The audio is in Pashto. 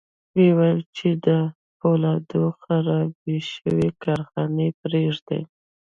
ويې ویل چې د پولادو خرابې شوې کارخانې پرېږدي